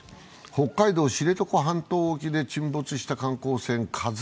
北海道・知床半島沖で沈没した観光船「ＫＡＺＵⅠ」。